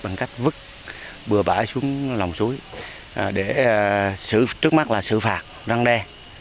bằng cách vứt bừa bãi xuống lòng suối để trước mắt là xử phạt răng đe